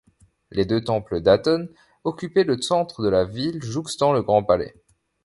Les deux temples d'Aton occupaient le centre de la ville, jouxtant le Grand Palais.